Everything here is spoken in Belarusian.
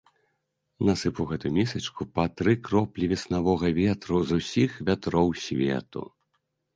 Насып у гэту місачку па тры кроплі веснавога ветру з усіх вятроў свету!